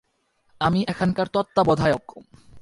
আমি এখানকার তত্ত্বাবধায়ক।